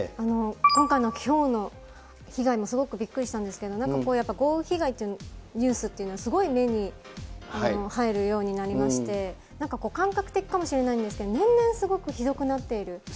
今回のひょうの被害もすごくびっくりしたんですけど、なんかこういう豪雨被害っていうニュースっていうのはすごい目に入るようになりまして、なんか感覚的かもしれないんですけど、年々、すごくひどくなっている。